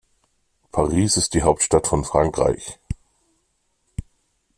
Paris ist die Hauptstadt von Frankreich.